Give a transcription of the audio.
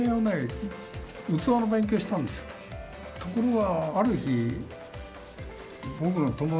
ところが。